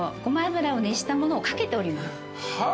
ごま油を熱したものを掛けております。